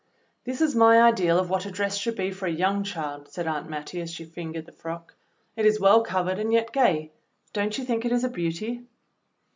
"This is my ideal of what a dress should be for a young child," said Aunt Mattie, as she fingered the frock. "It is ,well covered and yet gay. Don't you think it is a beauty.?"